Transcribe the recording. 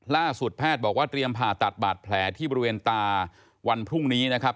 แพทย์บอกว่าเตรียมผ่าตัดบาดแผลที่บริเวณตาวันพรุ่งนี้นะครับ